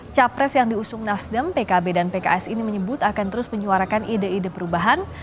capres yang diusung nasdem pkb dan pks ini menyebut akan terus menyuarakan ide ide perubahan